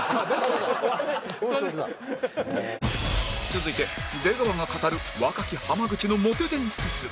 続いて出川が語る若き濱口のモテ伝説